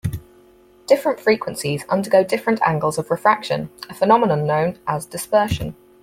Different frequencies undergo different angles of refraction, a phenomenon known as dispersion.